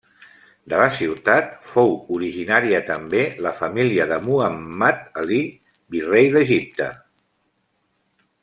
De la ciutat fou originària també la família de Muhammad Ali, virrei d'Egipte.